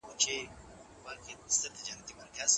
پرمختللي هيوادونه د پرمختيايي هيوادونو په پرتله شتمن دي.